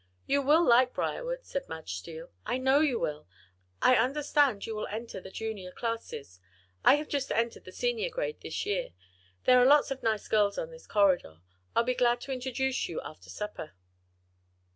"You will like Briarwood," said Madge Steele. "I know you will. I understand you will enter the Junior classes. I have just entered the Senior grade this year. There are lots of nice girls on this corridor. I'll be glad to introduce you after supper."